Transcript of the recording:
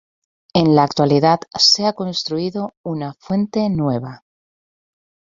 En la actualidad se ha construido una fuente nueva.